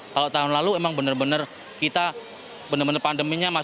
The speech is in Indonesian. kalau tahun lalu kita benar benar pandeminya